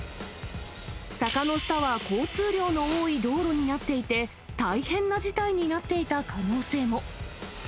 坂の下は交通量の多い道路になっていて、大変な事態になっていた可能性も。